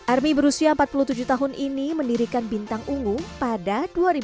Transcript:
army berusia empat puluh tujuh tahun ini mendirikan bintang ungu pada dua ribu dua